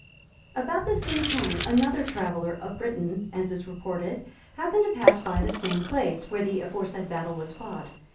] About the same time, another traveller, a Briton, as is reported, happened to pass by the same place, where the aforesaid battle was fought.